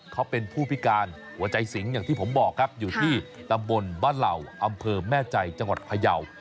เขาเป็นผู้พิการหัวใจสิงอย่างที่ผมบอกครับอยู่ที่ตำบลบ้านเหล่าอำเภอแม่ใจจังหวัดพยาว